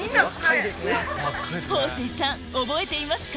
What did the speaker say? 方正さん覚えていますか？